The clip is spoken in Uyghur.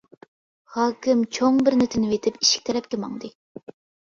ھاكىم چوڭ بىرنى تىنىۋېتىپ ئىشىك تەرەپكە ماڭدى.